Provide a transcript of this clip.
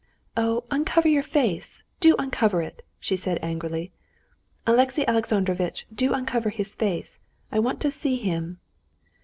"Oh! uncover your face, do uncover it!" she said angrily. "Alexey Alexandrovitch, do uncover his face! I want to see him."